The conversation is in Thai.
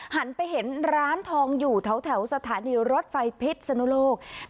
หันไปเห็นร้านทองอยู่แถวสถานีรถไฟพิษสนุโลก